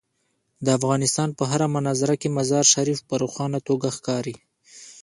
د افغانستان په هره منظره کې مزارشریف په روښانه توګه ښکاري.